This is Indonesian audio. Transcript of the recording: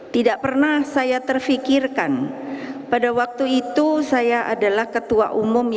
tidak pernah saya terfikirkan pada waktu itu saya adalah ketua umum yang sah di republik ini